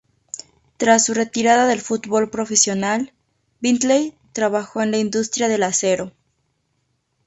Tras su retirada del fútbol profesional, Bentley trabajó en la industria del acero.